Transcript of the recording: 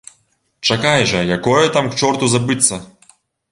Чакай жа, якое там к чорту забыцца!